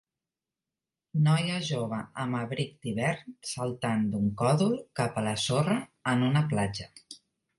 noia jove amb abric d'hivern saltant d'un còdol cap a la sorra en una platja